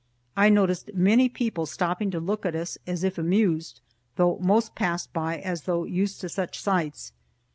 I noticed many people stopping to look at us as if amused, though most passed by as though used to such sights.